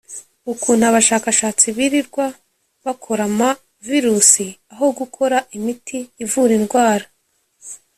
ukuntu abashakashatsi birirwa bakora ama virus aho gukora imiti ivura indwara